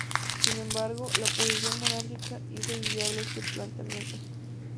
Sin embargo, la oposición monárquica hizo inviable este planteamiento.